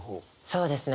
そうですね